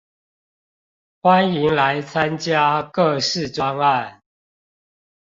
歡迎來參加各式專案